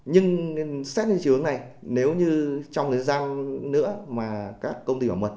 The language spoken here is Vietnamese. nhưng xét như chiều hướng này nếu như trong thời gian nữa mà các công ty bảo mật